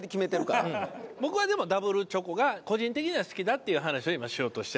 僕はでもダブルチョコが個人的には好きだっていう話を今しようとして。